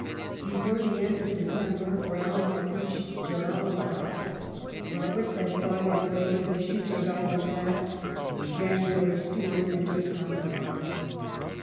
Before the end of December Browne had reached Jellalabad, Roberts had fought his way through the Shutargardan Pass, and in January Stewart entered Kandahdr.